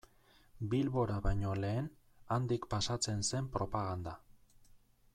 Bilbora baino lehen, handik pasatzen zen propaganda.